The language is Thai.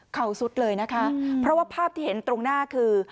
เขาสุดเลยนะคะเพราะว่าภาพที่เห็นตรงหน้าคือ